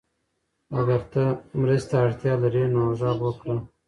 اگر ته مرستې ته اړتیا لرې نو غږ وکړه.